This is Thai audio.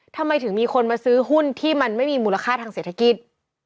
ทำไมถึงมีคนมาซื้อหุ้นที่มันไม่มีมูลค่าทางเศรษฐกิจ